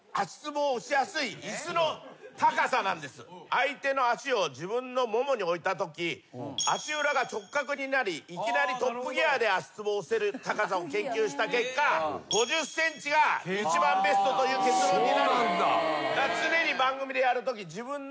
相手の足を自分のももに置いたとき足裏が直角になりいきなりトップギアで足つぼを押せる高さを研究した結果５０ｃｍが一番ベストという結論に。